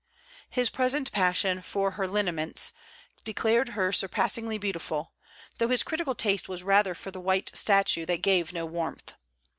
His present passion for her lineaments, declared her surpassingly beautiful, though his critical taste was rather for the white statue that gave no warmth.